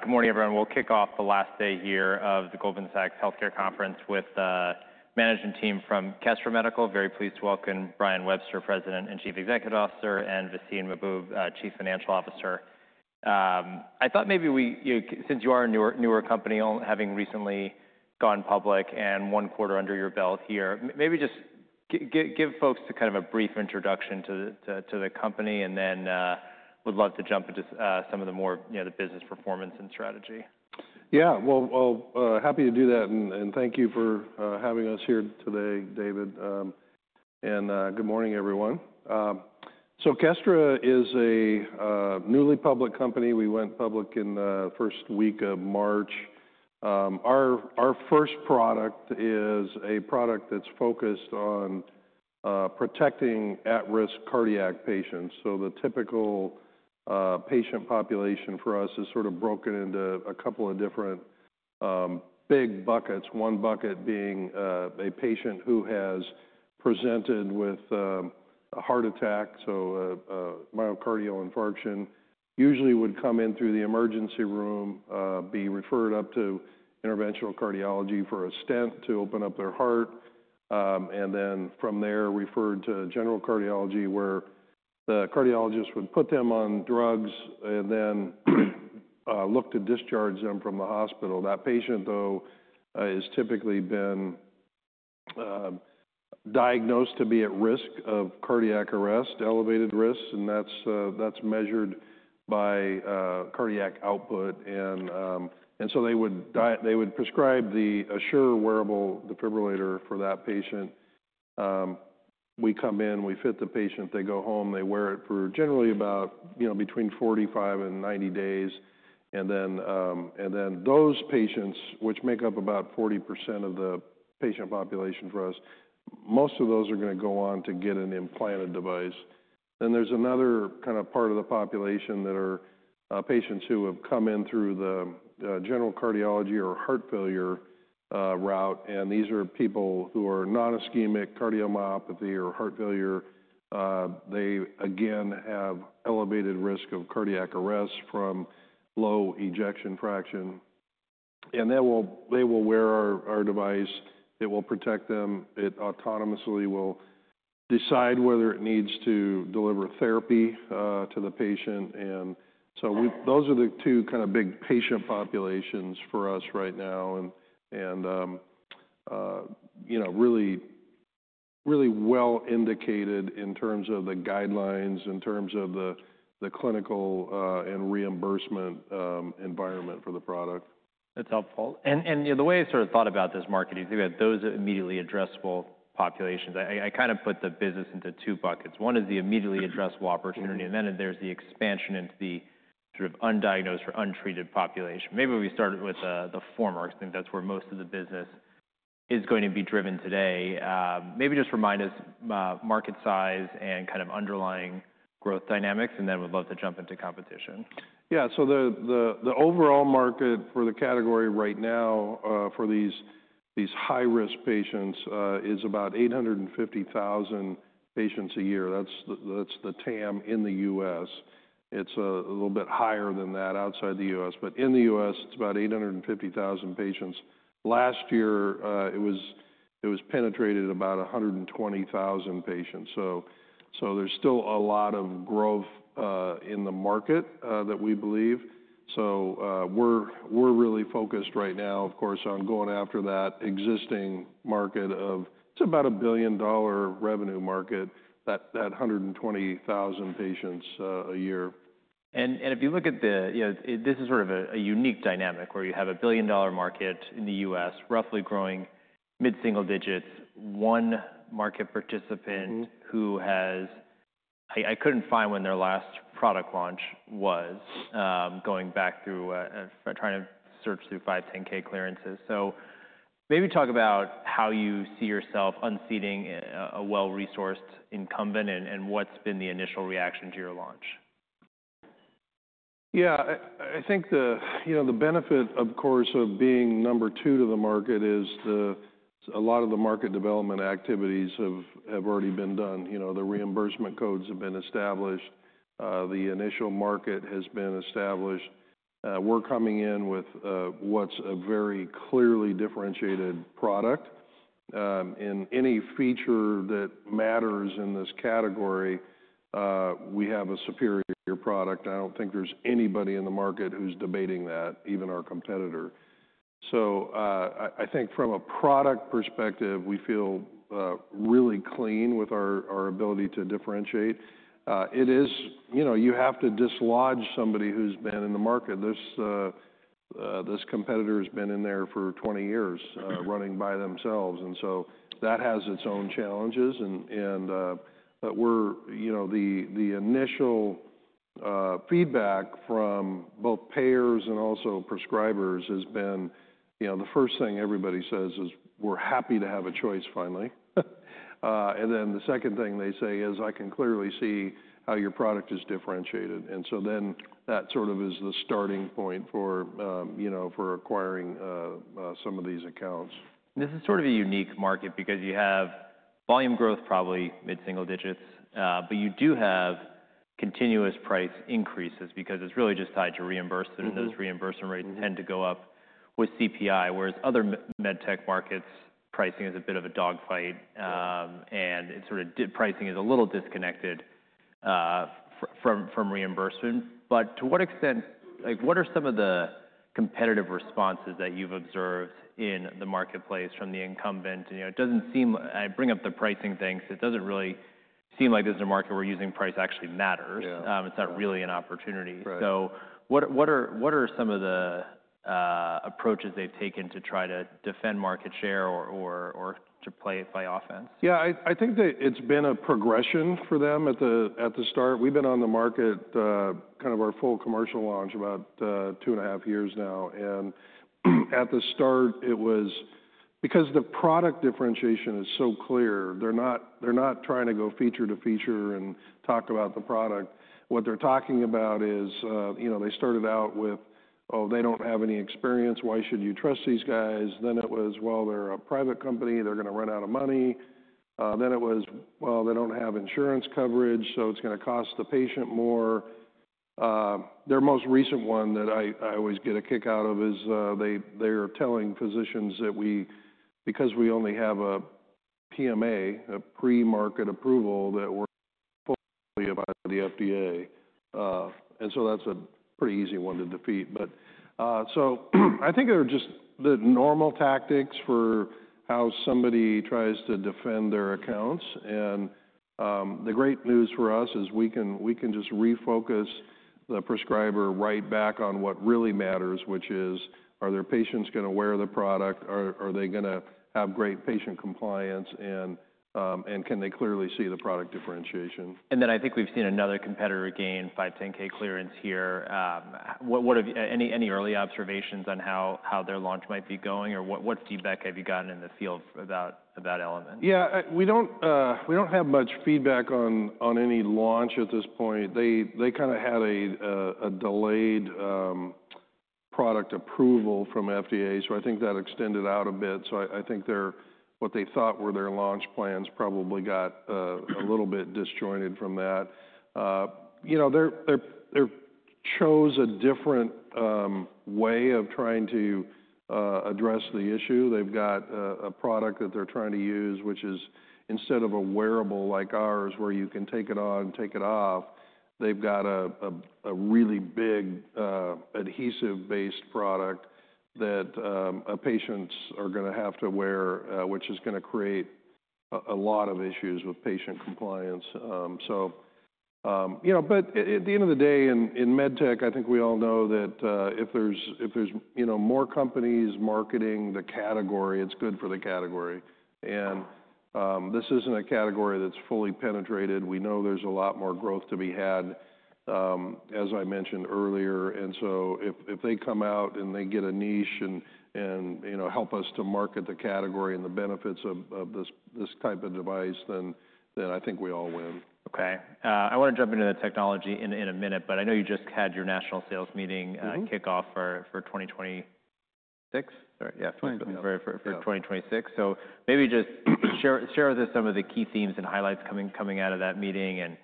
Good morning, everyone. We'll kick off the last day here of the Goldman Sachs Healthcare Conference with the management team from Kestra Medical. Very pleased to welcome Brian Webster, President and Chief Executive Officer, and Vaseem Mahboob, Chief Financial Officer. I thought maybe we, since you are a newer company, having recently gone public and one quarter under your belt here, maybe just give folks kind of a brief introduction to the company, and then we'd love to jump into some of the more business performance and strategy. Yeah, happy to do that, and thank you for having us here today, David. Good morning, everyone. Kestra is a newly public company. We went public in the first week of March. Our first product is a product that's focused on protecting at-risk cardiac patients. The typical patient population for us is sort of broken into a couple of different big buckets, one bucket being a patient who has presented with a heart attack, a myocardial infarction, usually would come in through the emergency room, be referred up to interventional cardiology for a stent to open up their heart, and then from there referred to general cardiology where the cardiologist would put them on drugs and then look to discharge them from the hospital. That patient, though, has typically been diagnosed to be at risk of cardiac arrest, elevated risk, and that's measured by cardiac output. They would prescribe the Assure wearable defibrillator for that patient. We come in, we fit the patient, they go home, they wear it for generally about between 45 and 90 days. Those patients, which make up about 40% of the patient population for us, most of those are going to go on to get an implanted device. There is another kind of part of the population that are patients who have come in through the general cardiology or heart failure route, and these are people who are non-ischemic cardiomyopathy or heart failure. They again have elevated risk of cardiac arrest from low ejection fraction, and they will wear our device. It will protect them. It autonomously will decide whether it needs to deliver therapy to the patient. Those are the two kind of big patient populations for us right now, and really well indicated in terms of the guidelines, in terms of the clinical and reimbursement environment for the product. That's helpful. The way I sort of thought about this market, you think about those immediately addressable populations. I kind of put the business into two buckets. One is the immediately addressable opportunity, and then there's the expansion into the sort of undiagnosed or untreated population. Maybe we start with the former, because I think that's where most of the business is going to be driven today. Maybe just remind us market size and kind of underlying growth dynamics, and then we'd love to jump into competition. Yeah, so the overall market for the category right now for these high-risk patients is about 850,000 patients a year. That's the TAM in the U.S. It's a little bit higher than that outside the U.S., but in the U.S., it's about 850,000 patients. Last year, it was penetrated about 120,000 patients. There's still a lot of growth in the market that we believe. We're really focused right now, of course, on going after that existing market of, it's about a $1 billion revenue market, that 120,000 patients a year. If you look at the, this is sort of a unique dynamic where you have a billion dollar market in the U.S., roughly growing mid-single digits, one market participant who has, I couldn't find when their last product launch was, going back through, trying to search through 510(k) clearances. Maybe talk about how you see yourself unseating a well-resourced incumbent and what's been the initial reaction to your launch. Yeah, I think the benefit, of course, of being number two to the market is a lot of the market development activities have already been done. The reimbursement codes have been established. The initial market has been established. We're coming in with what's a very clearly differentiated product. In any feature that matters in this category, we have a superior product. I don't think there's anybody in the market who's debating that, even our competitor. I think from a product perspective, we feel really clean with our ability to differentiate. It is, you have to dislodge somebody who's been in the market. This competitor has been in there for 20 years running by themselves, and that has its own challenges. The initial feedback from both payers and also prescribers has been, the first thing everybody says is, "We're happy to have a choice finally." The second thing they say is, "I can clearly see how your product is differentiated." That sort of is the starting point for acquiring some of these accounts. This is sort of a unique market because you have volume growth probably mid-single digits, but you do have continuous price increases because it's really just tied to reimbursement. Those reimbursement rates tend to go up with CPI, whereas other med tech markets, pricing is a bit of a dogfight, and sort of pricing is a little disconnected from reimbursement. To what extent, what are some of the competitive responses that you've observed in the marketplace from the incumbent? I bring up the pricing things, it doesn't really seem like this is a market where using price actually matters. It's not really an opportunity. What are some of the approaches they've taken to try to defend market share or to play it by offense? Yeah, I think that it's been a progression for them at the start. We've been on the market, kind of our full commercial launch, about two and a half years now. At the start, it was because the product differentiation is so clear, they're not trying to go feature to feature and talk about the product. What they're talking about is they started out with, "Oh, they don't have any experience. Why should you trust these guys?" It was, "They're a private company. They're going to run out of money." It was, "They don't have insurance coverage, so it's going to cost the patient more." Their most recent one that I always get a kick out of is they are telling physicians that we, because we only have a PMA, a pre-market approval, that we're fully under the FDA. That is a pretty easy one to defeat. I think they are just the normal tactics for how somebody tries to defend their accounts. The great news for us is we can just refocus the prescriber right back on what really matters, which is, are their patients going to wear the product? Are they going to have great patient compliance? Can they clearly see the product differentiation? I think we've seen another competitor gain 510(k) clearance here. Any early observations on how their launch might be going or what feedback have you gotten in the field about that element? Yeah, we do not have much feedback on any launch at this point. They kind of had a delayed product approval from FDA, so I think that extended out a bit. I think what they thought were their launch plans probably got a little bit disjointed from that. They chose a different way of trying to address the issue. They have got a product that they are trying to use, which is instead of a wearable like ours where you can take it on, take it off, they have got a really big adhesive-based product that patients are going to have to wear, which is going to create a lot of issues with patient compliance. At the end of the day, in med tech, I think we all know that if there are more companies marketing the category, it is good for the category. This is not a category that is fully penetrated. We know there's a lot more growth to be had, as I mentioned earlier. If they come out and they get a niche and help us to market the category and the benefits of this type of device, then I think we all win. Okay. I want to jump into the technology in a minute, but I know you just had your national sales meeting kickoff for 2024. 2026. For 2026. Maybe just share with us some of the key themes and highlights coming out of that meeting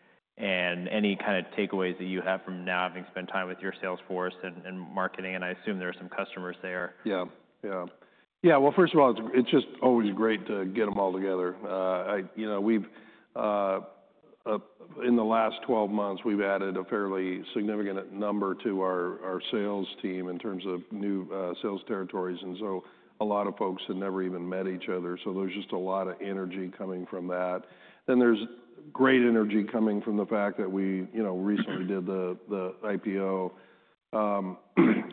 and any kind of takeaways that you have from now having spent time with your sales force and marketing. I assume there are some customers there. Yeah, yeah. First of all, it's just always great to get them all together. In the last 12 months, we've added a fairly significant number to our sales team in terms of new sales territories. A lot of folks had never even met each other. There's just a lot of energy coming from that. There's great energy coming from the fact that we recently did the IPO.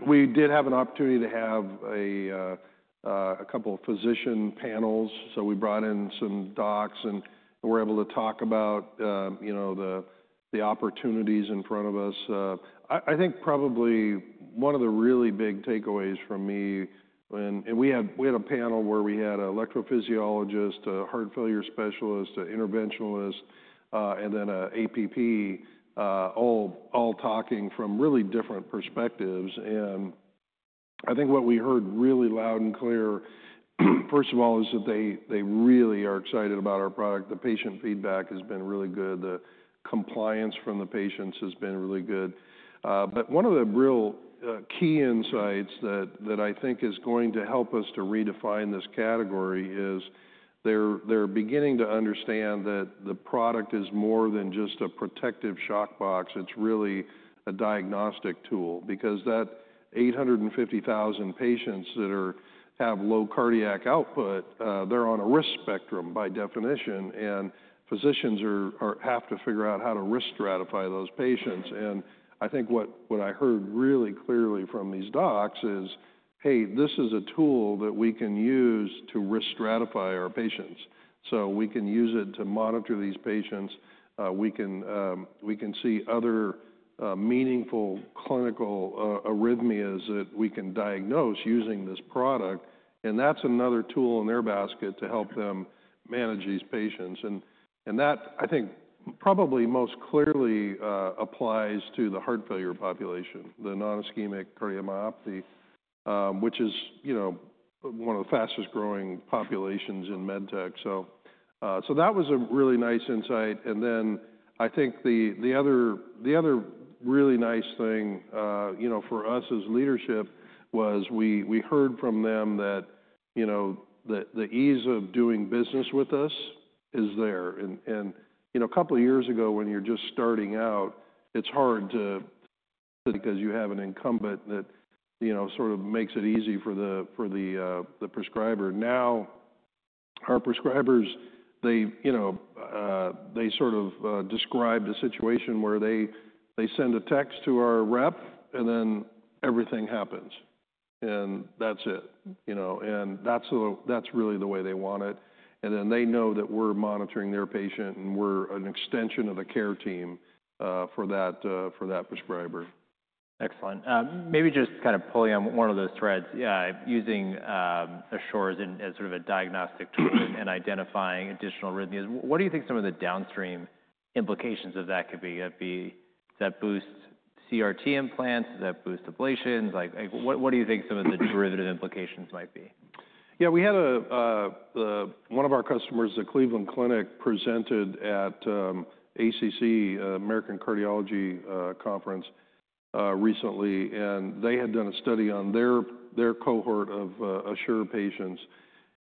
We did have an opportunity to have a couple of physician panels. We brought in some docs and were able to talk about the opportunities in front of us. I think probably one of the really big takeaways for me, we had a panel where we had an electrophysiologist, a heart failure specialist, an interventionalist, and then an APP, all talking from really different perspectives. I think what we heard really loud and clear, first of all, is that they really are excited about our product. The patient feedback has been really good. The compliance from the patients has been really good. One of the real key insights that I think is going to help us to redefine this category is they're beginning to understand that the product is more than just a protective shock box. It's really a diagnostic tool because that 850,000 patients that have low cardiac output, they're on a risk spectrum by definition, and physicians have to figure out how to risk stratify those patients. I think what I heard really clearly from these docs is, "Hey, this is a tool that we can use to risk stratify our patients." We can use it to monitor these patients. We can see other meaningful clinical arrhythmias that we can diagnose using this product. That is another tool in their basket to help them manage these patients. That, I think, probably most clearly applies to the heart failure population, the non-ischemic cardiomyopathy, which is one of the fastest growing populations in med tech. That was a really nice insight. I think the other really nice thing for us as leadership was we heard from them that the ease of doing business with us is there. A couple of years ago, when you're just starting out, it's hard to because you have an incumbent that sort of makes it easy for the prescriber. Now, our prescribers, they sort of describe the situation where they send a text to our rep and then everything happens. That is it. That is really the way they want it. They know that we're monitoring their patient and we're an extension of the care team for that prescriber. Excellent. Maybe just kind of pulling on one of those threads, using Assure as sort of a diagnostic tool and identifying additional arrhythmias, what do you think some of the downstream implications of that could be? That boost CRT implants, that boost ablations? What do you think some of the derivative implications might be? Yeah, we had one of our customers, the Cleveland Clinic, presented at ACC, American Cardiology Conference, recently. They had done a study on their cohort of Assure patients.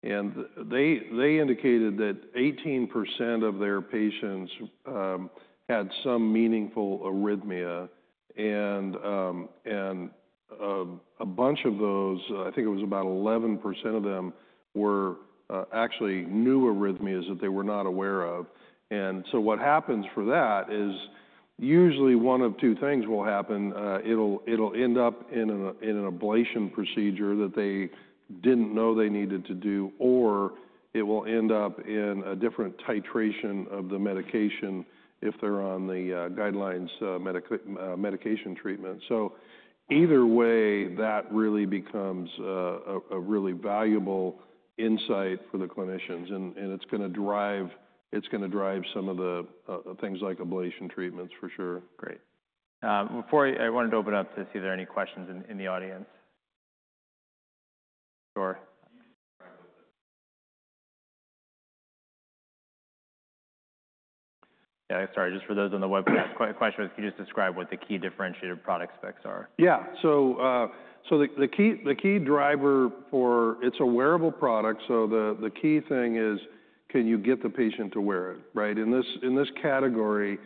They indicated that 18% of their patients had some meaningful arrhythmia. A bunch of those, I think it was about 11% of them, were actually new arrhythmias that they were not aware of. What happens for that is usually one of two things will happen. It'll end up in an ablation procedure that they didn't know they needed to do, or it will end up in a different titration of the medication if they're on the guidelines medication treatment. Either way, that really becomes a really valuable insight for the clinicians. It's going to drive some of the things like ablation treatments for sure. Great. Before I wanted to open up to see if there are any questions in the audience. Sure. Yeah, sorry, just for those on the website, question was, can you just describe what the key differentiator product specs are? Yeah. The key driver for it is a wearable product. The key thing is, can you get the patient to wear it? Right? In this category,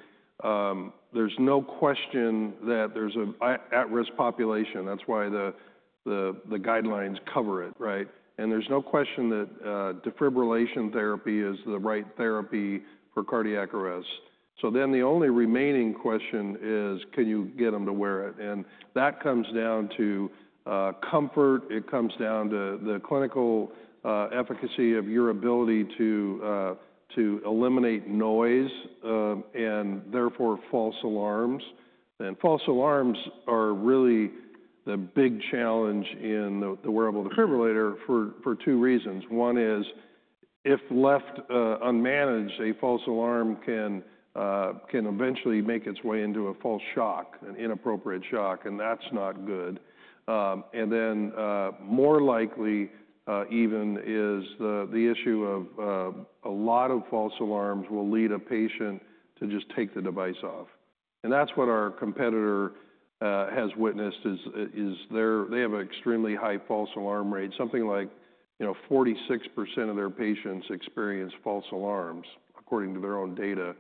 there's no question that there's an at-risk population. That's why the guidelines cover it. Right? There's no question that defibrillation therapy is the right therapy for cardiac arrest. The only remaining question is, can you get them to wear it? That comes down to comfort. It comes down to the clinical efficacy of your ability to eliminate noise and therefore false alarms. False alarms are really the big challenge in the wearable defibrillator for two reasons. One is if left unmanaged, a false alarm can eventually make its way into a false shock, an inappropriate shock, and that's not good. More likely even is the issue of a lot of false alarms will lead a patient to just take the device off. That's what our competitor has witnessed is they have an extremely high false alarm rate. Something like 46% of their patients experience false alarms according to their own data.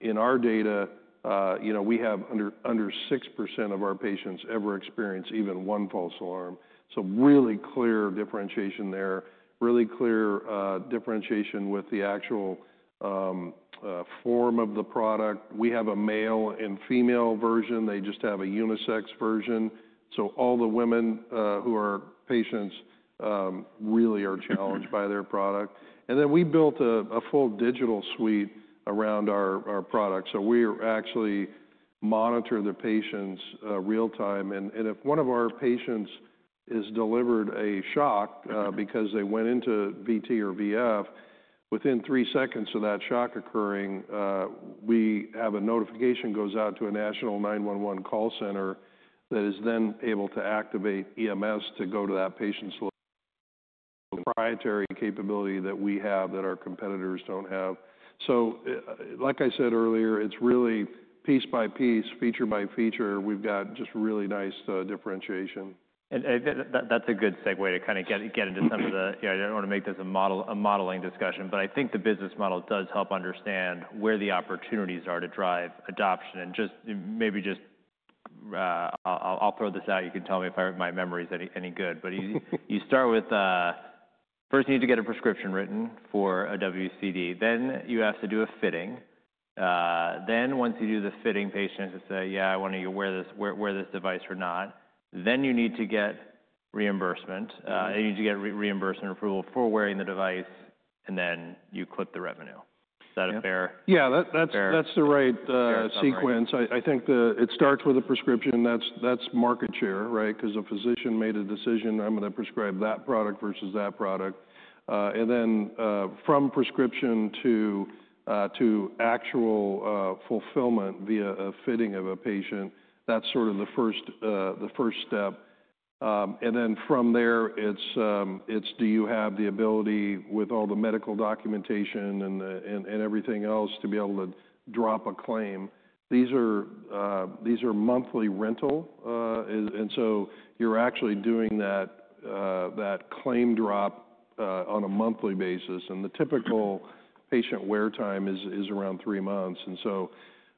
In our data, we have under 6% of our patients ever experience even one false alarm. Really clear differentiation there, really clear differentiation with the actual form of the product. We have a male and female version. They just have a unisex version. All the women who are patients really are challenged by their product. We built a full digital suite around our product. We actually monitor the patients real time. If one of our patients is delivered a shock because they went into VT or VF, within three seconds of that shock occurring, we have a notification goes out to a national 911 call center that is then able to activate EMS to go to that patient. That is a proprietary capability that we have that our competitors do not have. Like I said earlier, it is really piece by piece, feature by feature. We have just really nice differentiation. That's a good segue to kind of get into some of the, I don't want to make this a modeling discussion, but I think the business model does help understand where the opportunities are to drive adoption. Maybe just I'll throw this out. You can tell me if my memory is any good. You start with, first you need to get a prescription written for a WCD. Then you have to do a fitting. Once you do the fitting, patients say, "Yeah, I want to wear this device or not." Then you need to get reimbursement. You need to get reimbursement approval for wearing the device, and then you clip the revenue. Is that fair? Yeah, that's the right sequence. I think it starts with a prescription. That's market share, right? Because a physician made a decision, "I'm going to prescribe that product versus that product." From prescription to actual fulfillment via a fitting of a patient, that's sort of the first step. From there, it's do you have the ability with all the medical documentation and everything else to be able to drop a claim? These are monthly rental. You're actually doing that claim drop on a monthly basis. The typical patient wear time is around three months.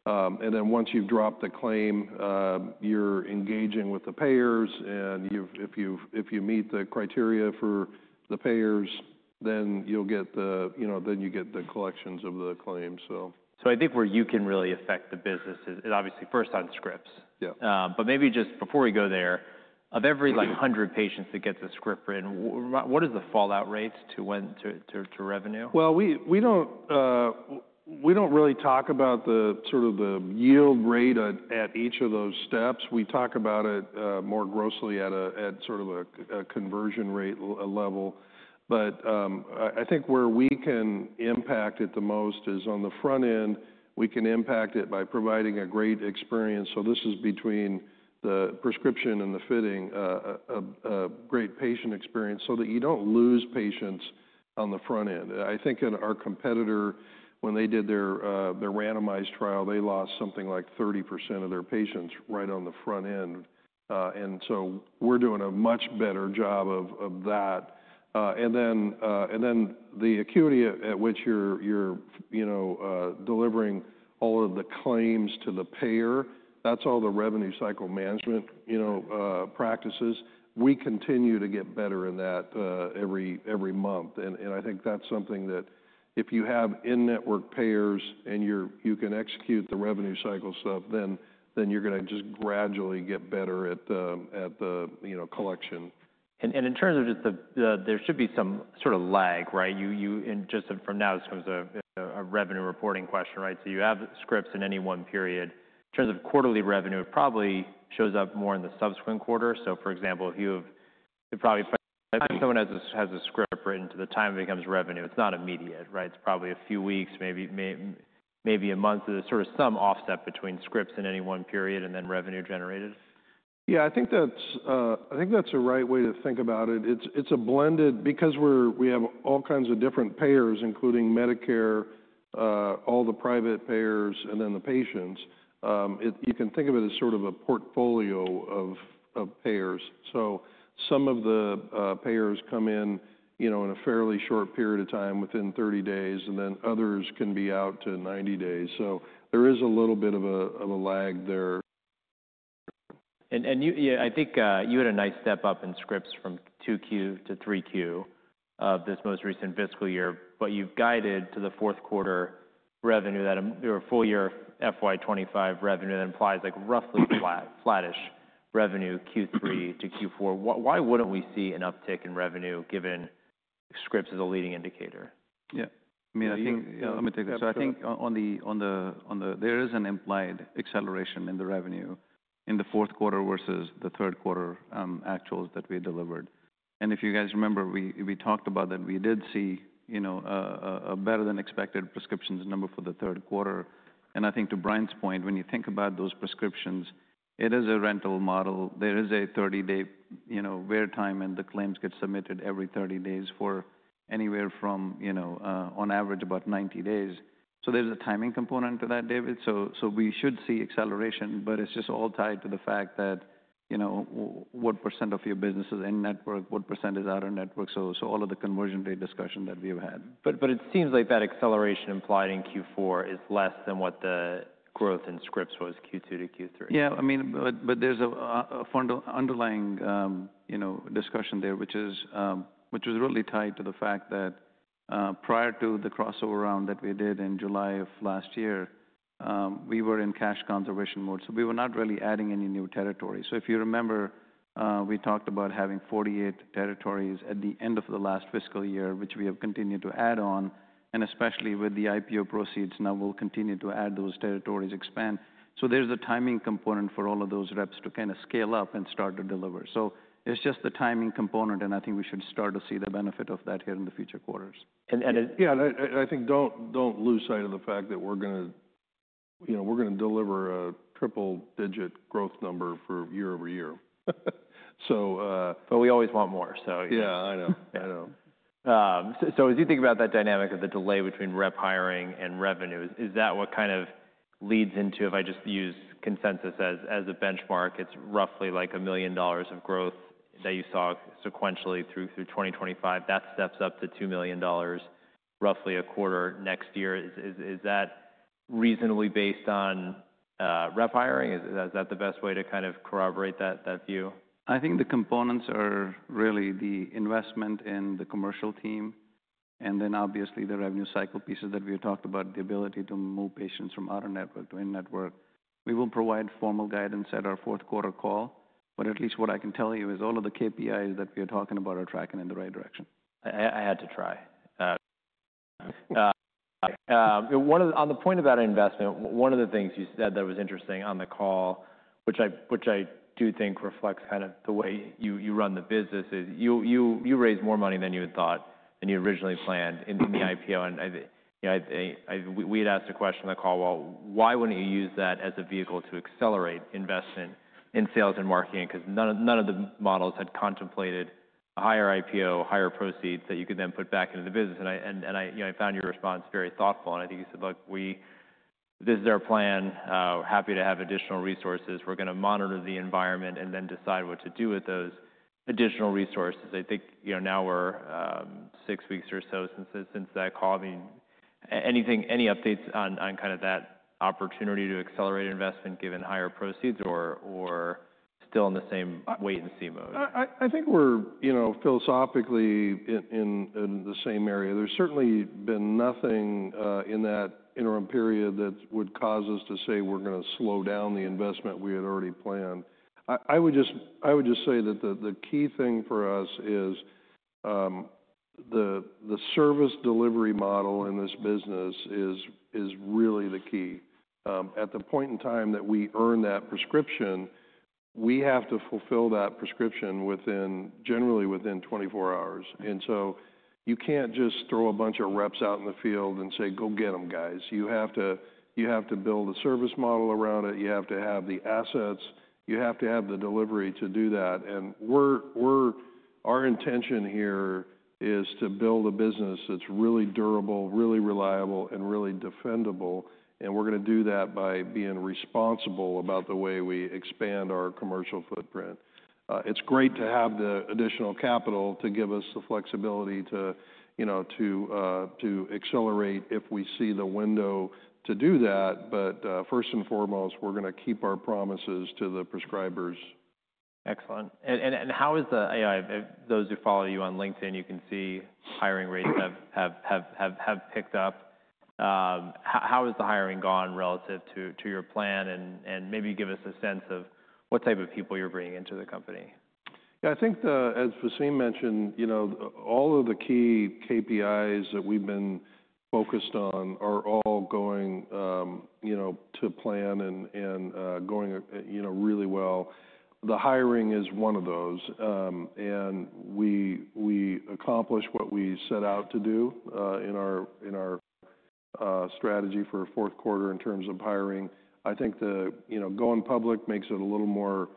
Once you've dropped the claim, you're engaging with the payers. If you meet the criteria for the payers, then you'll get the collections of the claims, so. I think where you can really affect the business is obviously first on scripts. But maybe just before we go there, of every 100 patients that gets a script written, what is the fallout rate to revenue? We do not really talk about sort of the yield rate at each of those steps. We talk about it more grossly at sort of a conversion rate level. I think where we can impact it the most is on the front end, we can impact it by providing a great experience. This is between the prescription and the fitting, a great patient experience so that you do not lose patients on the front end. I think in our competitor, when they did their randomized trial, they lost something like 30% of their patients right on the front end. We are doing a much better job of that. The acuity at which you are delivering all of the claims to the payer, that is all the revenue cycle management practices. We continue to get better in that every month. I think that's something that if you have in-network payers and you can execute the revenue cycle stuff, then you're going to just gradually get better at the collection. In terms of just the, there should be some sort of lag, right? Just from now, this becomes a revenue reporting question, right? You have scripts in any one period. In terms of quarterly revenue, it probably shows up more in the subsequent quarter. For example, if you have probably someone has a script written to the time it becomes revenue, it's not immediate, right? It's probably a few weeks, maybe a month. There's sort of some offset between scripts in any one period and then revenue generated. Yeah, I think that's a right way to think about it. It's a blended because we have all kinds of different payers, including Medicare, all the private payers, and then the patients. You can think of it as sort of a portfolio of payers. Some of the payers come in in a fairly short period of time within 30 days, and then others can be out to 90 days. There is a little bit of a lag there. I think you had a nice step up in scripts from 2Q to 3Q of this most recent fiscal year, but you've guided to the fourth quarter revenue that your full year FY25 revenue that implies like roughly flattish revenue Q3 to Q4. Why wouldn't we see an uptick in revenue given scripts as a leading indicator? Yeah. I mean, I think, yeah, let me take that. I think on the there is an implied acceleration in the revenue in the fourth quarter versus the third quarter actuals that we delivered. If you guys remember, we talked about that we did see a better than expected prescriptions number for the third quarter. I think to Brian's point, when you think about those prescriptions, it is a rental model. There is a 30-day wait time and the claims get submitted every 30 days for anywhere from, on average, about 90 days. There is a timing component to that, David. We should see acceleration, but it's just all tied to the fact that what % of your business is in network, what % is out of network. All of the conversion rate discussion that we've had. It seems like that acceleration implied in Q4 is less than what the growth in scripts was Q2 to Q3. Yeah, I mean, but there's an underlying discussion there, which is really tied to the fact that prior to the crossover round that we did in July of last year, we were in cash conservation mode. So we were not really adding any new territories. If you remember, we talked about having 48 territories at the end of the last fiscal year, which we have continued to add on. Especially with the IPO proceeds, now we'll continue to add those territories, expand. There's a timing component for all of those reps to kind of scale up and start to deliver. It's just the timing component, and I think we should start to see the benefit of that here in the future quarters. And. Yeah, I think don't lose sight of the fact that we're going to deliver a triple-digit growth number for year over year. We always want more, so. Yeah, I know. I know. As you think about that dynamic of the delay between rep hiring and revenue, is that what kind of leads into, if I just use consensus as a benchmark, it's roughly like $1 million of growth that you saw sequentially through 2025, that steps up to $2 million, roughly a quarter next year. Is that reasonably based on rep hiring? Is that the best way to kind of corroborate that view? I think the components are really the investment in the commercial team. Then obviously the revenue cycle pieces that we talked about, the ability to move patients from outer network to in-network. We will provide formal guidance at our fourth quarter call. At least what I can tell you is all of the KPIs that we are talking about are tracking in the right direction. I had to try. On the point about investment, one of the things you said that was interesting on the call, which I do think reflects kind of the way you run the business, is you raised more money than you had thought than you originally planned in the IPO. We had asked a question on the call, why wouldn't you use that as a vehicle to accelerate investment in sales and marketing? Because none of the models had contemplated a higher IPO, higher proceeds that you could then put back into the business. I found your response very thoughtful. I think you said, "Look, this is our plan. Happy to have additional resources. We're going to monitor the environment and then decide what to do with those additional resources." I think now we're six weeks or so since that call. I mean, any updates on kind of that opportunity to accelerate investment given higher proceeds or still in the same wait-and-see mode? I think we're philosophically in the same area. There's certainly been nothing in that interim period that would cause us to say we're going to slow down the investment we had already planned. I would just say that the key thing for us is the service delivery model in this business is really the key. At the point in time that we earn that prescription, we have to fulfill that prescription generally within 24 hours. You can't just throw a bunch of reps out in the field and say, "Go get them, guys." You have to build a service model around it. You have to have the assets. You have to have the delivery to do that. Our intention here is to build a business that's really durable, really reliable, and really defendable. We are going to do that by being responsible about the way we expand our commercial footprint. It is great to have the additional capital to give us the flexibility to accelerate if we see the window to do that. First and foremost, we are going to keep our promises to the prescribers. Excellent. How is the those who follow you on LinkedIn, you can see hiring rates have picked up. How has the hiring gone relative to your plan? Maybe give us a sense of what type of people you're bringing into the company. Yeah, I think as Vaseem mentioned, all of the key KPIs that we've been focused on are all going to plan and going really well. The hiring is one of those. We accomplished what we set out to do in our strategy for fourth quarter in terms of hiring. I think the going public makes it a little more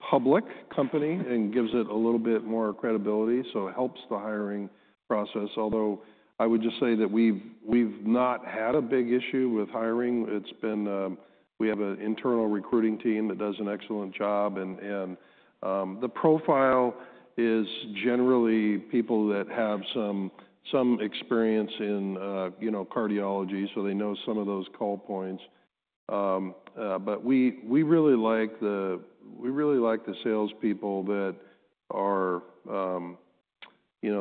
public company and gives it a little bit more credibility. It helps the hiring process. Although I would just say that we've not had a big issue with hiring. We have an internal recruiting team that does an excellent job. The profile is generally people that have some experience in cardiology, so they know some of those call points. We really like the salespeople that are,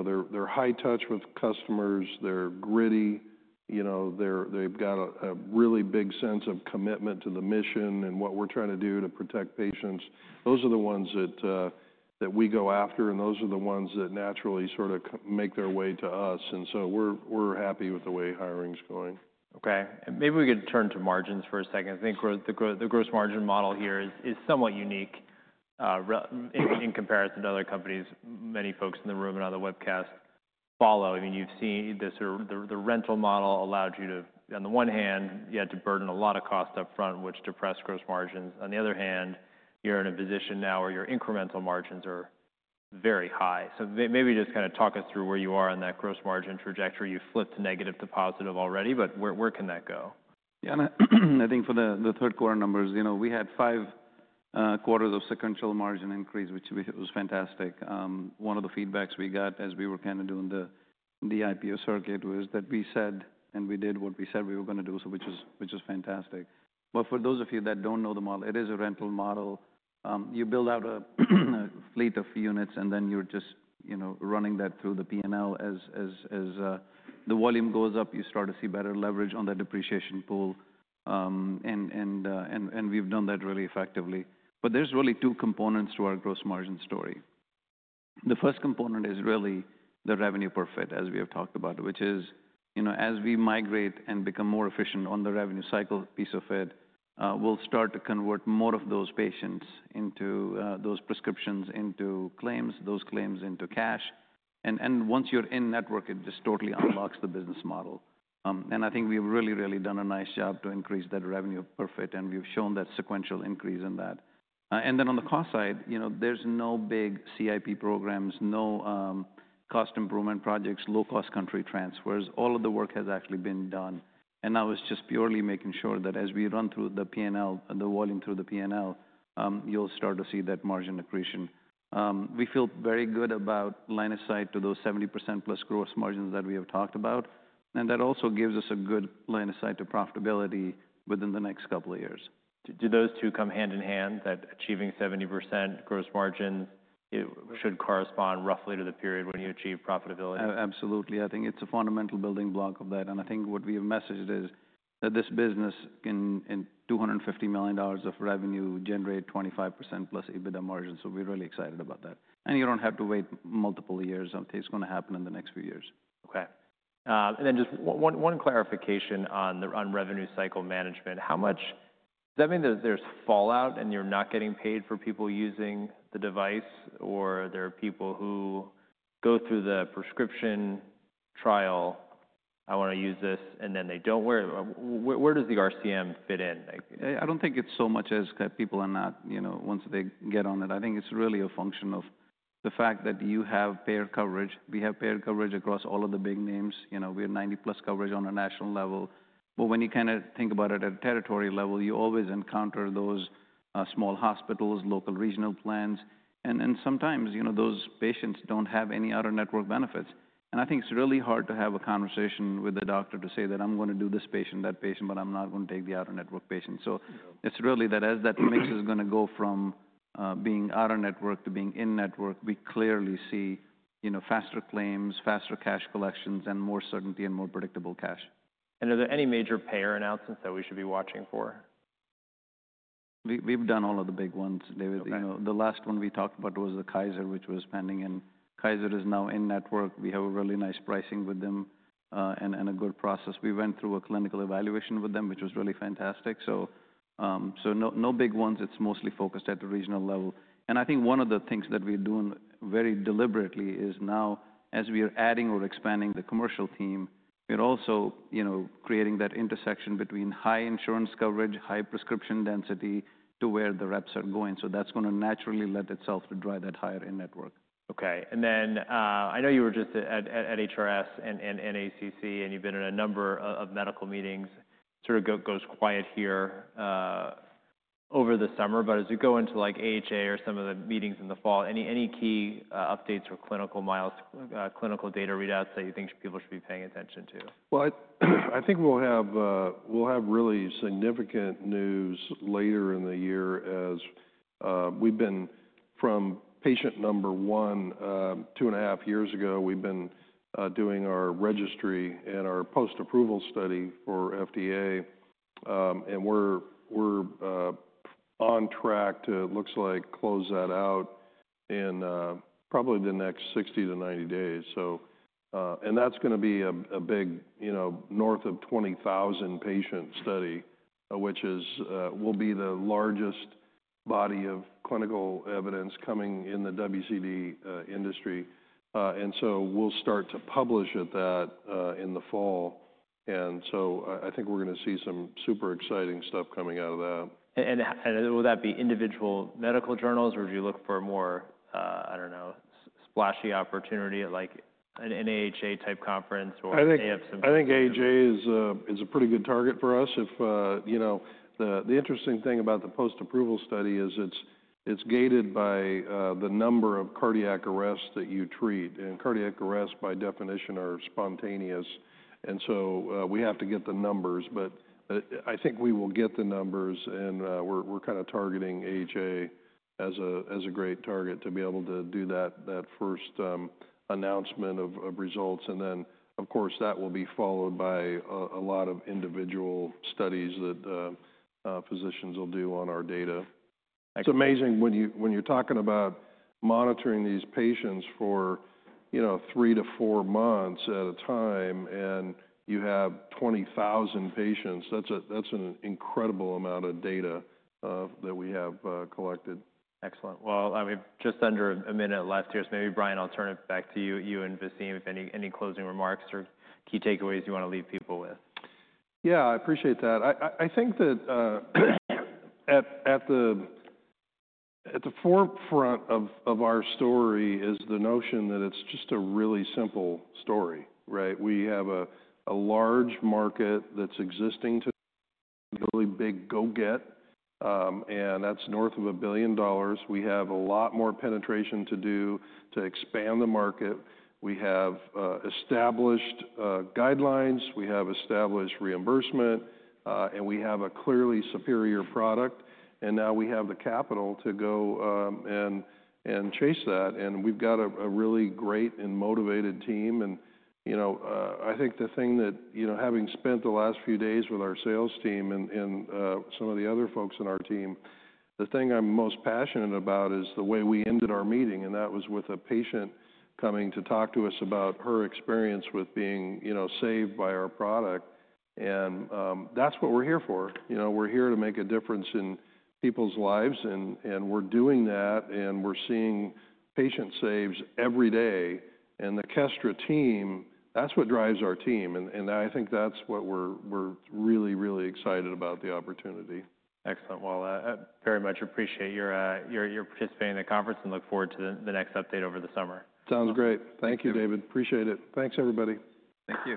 they're high touch with customers. They're gritty. They've got a really big sense of commitment to the mission and what we're trying to do to protect patients. Those are the ones that we go after, and those are the ones that naturally sort of make their way to us. We're happy with the way hiring's going. Okay. Maybe we could turn to margins for a second. I think the gross margin model here is somewhat unique in comparison to other companies many folks in the room and on the webcast follow. I mean, you've seen the rental model allowed you to, on the one hand, you had to burden a lot of cost upfront, which depressed gross margins. On the other hand, you're in a position now where your incremental margins are very high. Maybe just kind of talk us through where you are on that gross margin trajectory. You've flipped negative to positive already, but where can that go? Yeah, I think for the third quarter numbers, we had five quarters of sequential margin increase, which was fantastic. One of the feedbacks we got as we were kind of doing the IPO circuit was that we said and we did what we said we were going to do, which was fantastic. For those of you that do not know the model, it is a rental model. You build out a fleet of units, and then you are just running that through the P&L. As the volume goes up, you start to see better leverage on that depreciation pool. We have done that really effectively. There are really two components to our gross margin story. The first component is really the revenue per fit, as we have talked about, which is as we migrate and become more efficient on the revenue cycle piece of it, we'll start to convert more of those patients, those prescriptions into claims, those claims into cash. Once you're in network, it just totally unlocks the business model. I think we've really, really done a nice job to increase that revenue per fit, and we've shown that sequential increase in that. On the cost side, there's no big CIP programs, no cost improvement projects, low-cost country transfers. All of the work has actually been done. Now it's just purely making sure that as we run through the P&L, the volume through the P&L, you'll start to see that margin accretion. We feel very good about line of sight to those 70%+ gross margins that we have talked about. That also gives us a good line of sight to profitability within the next couple of years. Do those two come hand in hand, that achieving 70% gross margins should correspond roughly to the period when you achieve profitability? Absolutely. I think it's a fundamental building block of that. I think what we have messaged is that this business can, in $250 million of revenue, generate 25% plus EBITDA margin. We're really excited about that. You don't have to wait multiple years. It's going to happen in the next few years. Okay. And then just one clarification on revenue cycle management. Does that mean there's fallout and you're not getting paid for people using the device? Or there are people who go through the prescription trial, I want to use this, and then they don't wear it? Where does the RCM fit in? I don't think it's so much as people are not once they get on it. I think it's really a function of the fact that you have payer coverage. We have payer coverage across all of the big names. We have 90% plus coverage on a national level. When you kind of think about it at a territory level, you always encounter those small hospitals, local regional plans. Sometimes those patients don't have any out-of-network benefits. I think it's really hard to have a conversation with a doctor to say that I'm going to do this patient, that patient, but I'm not going to take the out-of-network patient. It is really that as that mix is going to go from being out-of-network to being in-network, we clearly see faster claims, faster cash collections, and more certainty and more predictable cash. Are there any major payer announcements that we should be watching for? We've done all of the big ones, David. The last one we talked about was the Kaiser, which was pending. Kaiser is now in network. We have a really nice pricing with them and a good process. We went through a clinical evaluation with them, which was really fantastic. No big ones. It's mostly focused at the regional level. I think one of the things that we're doing very deliberately is now, as we are adding or expanding the commercial team, we're also creating that intersection between high insurance coverage, high prescription density to where the reps are going. That's going to naturally let itself to drive that higher in network. Okay. I know you were just at HRS and NACC, and you've been in a number of medical meetings. It sort of goes quiet here over the summer. As you go into AHA or some of the meetings in the fall, any key updates or clinical data readouts that you think people should be paying attention to? I think we'll have really significant news later in the year as we've been from patient number one two and a half years ago, we've been doing our registry and our post-approval study for FDA. We're on track to, it looks like, close that out in probably the next 60-90 days. That's going to be a big north of 20,000 patient study, which will be the largest body of clinical evidence coming in the WCD industry. We'll start to publish at that in the fall. I think we're going to see some super exciting stuff coming out of that. Will that be individual medical journals, or would you look for more, I don't know, splashy opportunity like an AHA-type conference or AFSMP? I think AHA is a pretty good target for us. The interesting thing about the post-approval study is it's gated by the number of cardiac arrests that you treat. Cardiac arrests, by definition, are spontaneous. We have to get the numbers. I think we will get the numbers. We're kind of targeting AHA as a great target to be able to do that first announcement of results. Of course, that will be followed by a lot of individual studies that physicians will do on our data. It's amazing when you're talking about monitoring these patients for three to four months at a time and you have 20,000 patients. That's an incredible amount of data that we have collected. Excellent. I mean, just under a minute left here. Maybe, Brian, I'll turn it back to you and Vaseem if any closing remarks or key takeaways you want to leave people with. Yeah, I appreciate that. I think that at the forefront of our story is the notion that it's just a really simple story, right? We have a large market that's existing to really big go-get, and that's north of $1 billion. We have a lot more penetration to do to expand the market. We have established guidelines. We have established reimbursement, and we have a clearly superior product. Now we have the capital to go and chase that. We've got a really great and motivated team. I think the thing that having spent the last few days with our sales team and some of the other folks in our team, the thing I'm most passionate about is the way we ended our meeting. That was with a patient coming to talk to us about her experience with being saved by our product. That is what we are here for. We are here to make a difference in people's lives, and we are doing that, and we are seeing patient saves every day. The Kestra team, that is what drives our team. I think that is what we are really, really excited about, the opportunity. Excellent. I very much appreciate your participating in the conference and look forward to the next update over the summer. Sounds great. Thank you, David. Appreciate it. Thanks, everybody. Thank you.